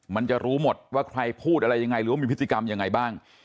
มันจะรู้หมดว่าใครพูดอะไรยังไงหรือว่ามีพฤติกรรมยังไงบ้าง